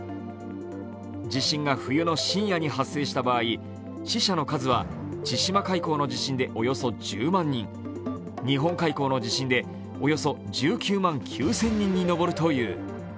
地震が冬の深夜に発生した場合、死者の数は千島海溝の地震でおよそ１０万人、日本海溝の地震でおよそ１９万９０００人に上るという。